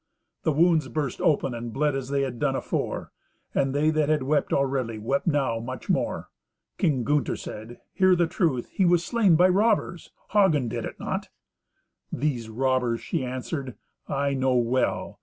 The wounds burst open and bled as they had done afore; and they that had wept already wept now much more. King Gunther said, "Hear the truth. He was slain by robbers. Hagen did it not." "These robbers," she answered, "I know well.